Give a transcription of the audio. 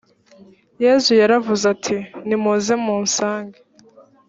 yesu yaravuze ati nimuze musange.